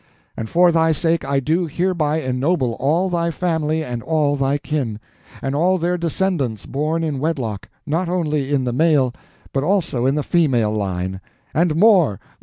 And for thy sake I do hereby ennoble all thy family and all thy kin; and all their descendants born in wedlock, not only in the male but also in the female line. And more!